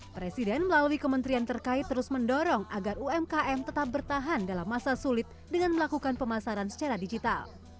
presiden melalui kementerian terkait terus mendorong agar umkm tetap bertahan dalam masa sulit dengan melakukan pemasaran secara digital